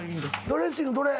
ドレッシングどれ？